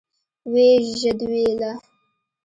ويې ژدويله.